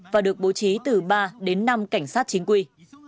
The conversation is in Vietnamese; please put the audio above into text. và được bố trí từ ba đến năm cảnh sát chính quy